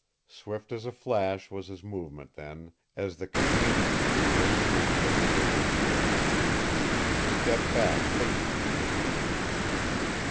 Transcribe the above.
Swift as a flash was his movement then, as the companion bracelet snapped over Nada's wrist. He stepped back, facing them with a grin.